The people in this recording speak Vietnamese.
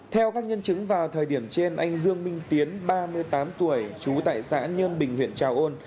theo các nhân chứng vào thời điểm trên anh dương minh tiến ba mươi tám tuổi trú tại xã nhơn bình huyện trà ôn